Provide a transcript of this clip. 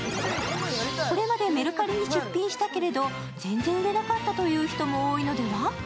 これまでメルカリに出品したけれど全然売れなかったという人も多いのでは？